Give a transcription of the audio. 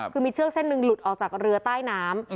คือมีเชือกเส้นหนึ่งหลุดออกจากเรือใต้น้ำ